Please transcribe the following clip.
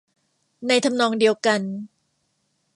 ในทำนองเดียวกัน